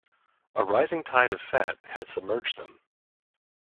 A rising tide of fat had submerged them.